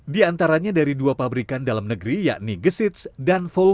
di antaranya dari dua pabrikan dalam negeri yakni gesits dan volume